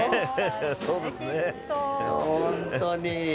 本当に。